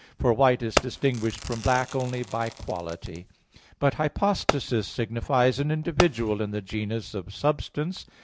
For white is distinguished from black only by quality. But "hypostasis" signifies an individual in the genus of substance.